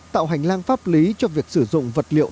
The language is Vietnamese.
tạo hành lang pháp lý cho việc sử dụng vật liệu